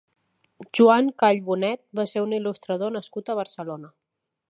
Joan Call Bonet va ser un il·lustrador nascut a Barcelona.